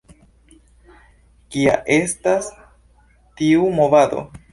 Kia estas tiu movado?